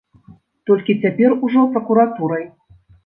Толькі цяпер ужо пракуратурай.